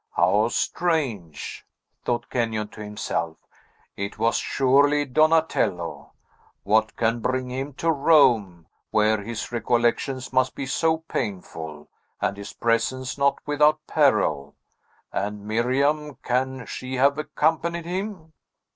"How strange!" thought Kenyon to himself. "It was surely Donatello! What can bring him to Rome, where his recollections must be so painful, and his presence not without peril? And Miriam! Can she have accompanied him?"